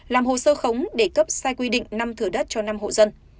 làm hồ sơ khống để cấp sai quy định năm thửa đất cho năm hộ dân